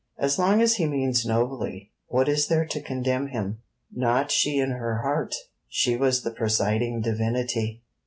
As long as he means nobly, what is there to condemn him? Not she in her heart. She was the presiding divinity.